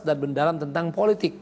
dan mendalam tentang politik